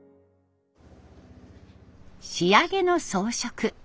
仕上げの装飾。